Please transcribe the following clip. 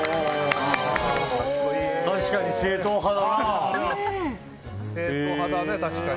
確かに正統派だな。